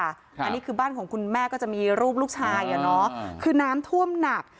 อันนี้คือบ้านของคุณแม่ก็จะมีรูปลูกชายอ่ะเนอะคือน้ำท่วมหนัก